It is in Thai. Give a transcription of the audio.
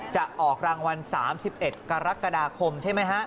จะออกรางวัล๓๑กรกฎาคมใช่ไหมฮะ